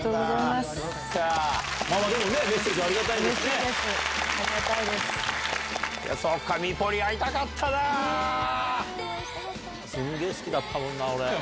すげぇ好きだったもんな、俺。